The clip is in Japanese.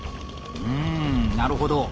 うんなるほど。